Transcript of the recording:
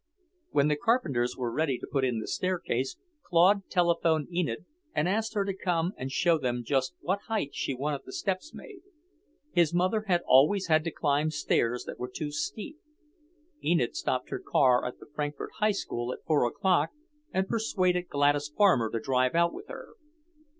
When the carpenters were ready to put in the staircase, Claude telephoned Enid and asked her to come and show them just what height she wanted the steps made. His mother had always had to climb stairs that were too steep. Enid stopped her car at the Frankfort High School at four o'clock and persuaded Gladys Farmer to drive out with her.